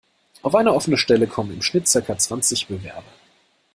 Auf eine offene Stelle kommen im Schnitt circa zwanzig Bewerber.